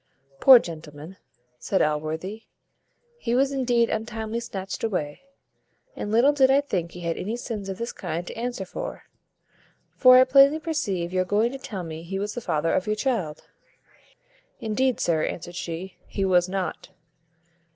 "Poor gentleman," said Allworthy, "he was indeed untimely snatched away; and little did I think he had any sins of this kind to answer for; for I plainly perceive you are going to tell me he was the father of your child." "Indeed, sir," answered she, "he was not."